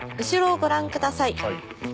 「後ろをご覧ください」。